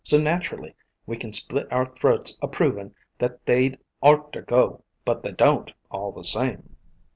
So naturally we can split our throats a provin' that they 'd orter go, but they don't, all the same!"